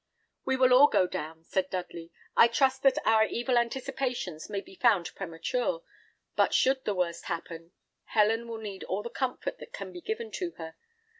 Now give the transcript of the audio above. "We will all go down," said Dudley. "I trust that our evil anticipations may be found premature; but should the worst happen, Helen will need all the comfort that can be given to her.